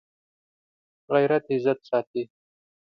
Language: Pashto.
غیرت عزت ساتي